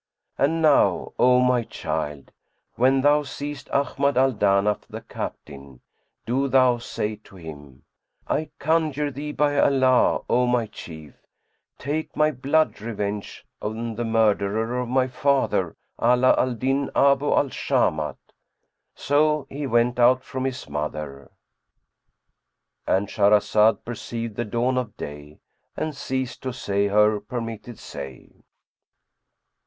And now, O my child, when thou seest Ahmad al Danaf the captain, do thou say to him, 'I conjure thee, by Allah, O my chief, take my blood revenge on the murderer of my father Ala al Din Abu al Shamat!'" So he went out from his mother,—And Shahrazad perceived the dawn of day and ceased to say her permitted say.